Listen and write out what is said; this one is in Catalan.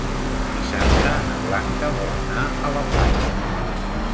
Dissabte na Blanca vol anar a la platja.